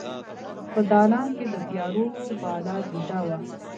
په دالان کې د تیارو بلا بیده وه